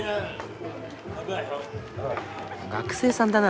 学生さんだな。